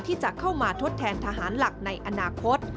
ที่จะเข้ามาทดแทนทหารหลักในอนาคต